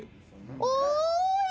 ・おい！